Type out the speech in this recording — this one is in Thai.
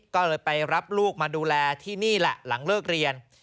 ก็เลยไปรับลูกมาดูแลที่นี่แหละหลังเลิกเรียน